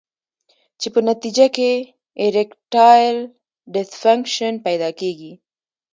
چې پۀ نتېجه کښې ايريکټائل ډسفنکشن پېدا کيږي